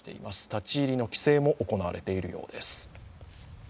立ち入りの規制も行われているようです。